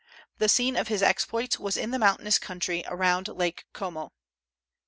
The scene of his exploits was in the mountainous country around Lake Como.